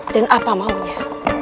dan apa maunya